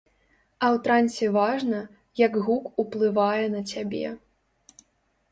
А ў трансе важна, як гук уплывае на цябе.